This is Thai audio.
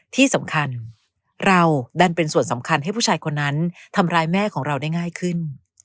ที่สำคัญเราดันเป็นส่วนสำคัญให้ผู้ชายคนนั้นทำร้ายแม่ของเราได้ง่ายขึ้น